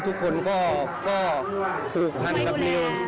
ทุกคนก็ผูกพันกับนิว